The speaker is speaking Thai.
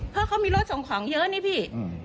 เพราะเขามีรถส่งของเยอะนี่พี่